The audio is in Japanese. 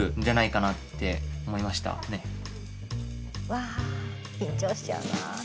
わあ緊張しちゃうな。